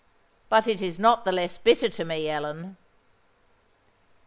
But it is not the less bitter to me, Ellen!"